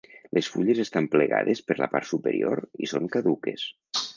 Les fulles estan plegades per la part superior i són caduques.